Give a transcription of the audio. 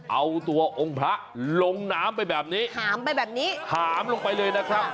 เอาตัวองค์พระลงน้ำไปแบบนี้หามไปแบบนี้หามลงไปเลยนะครับ